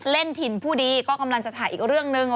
เล่นถิ่นผู้ดีก็กำลังจะถ่ายอีกเรื่องหนึ่ง